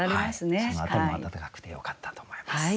その辺りも温かくてよかったと思います。